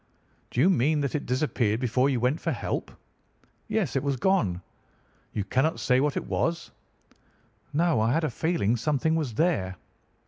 "'Do you mean that it disappeared before you went for help?' "'Yes, it was gone.' " 'You cannot say what it was?' "'No, I had a feeling something was there.